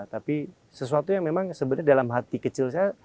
tapi sesuatu yang memang sebenarnya dalam hati kecil saya